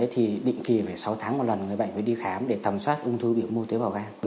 thì định kỳ phải sáu tháng một lần người bệnh phải đi khám để thẩm soát ung thư biểu mô tế bào gan